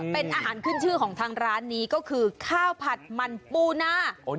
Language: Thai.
เป็นอาหารขึ้นชื่อของทางร้านนี้ก็คือข้าวผัดมันปูนา